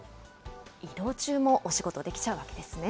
移動中もお仕事できちゃうわけですね。